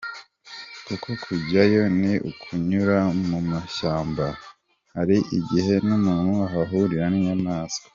Kuko kujyayo ni ukunyura mu mashyamba, hari igihe n’umuntu yahahurira n’inyamaswa.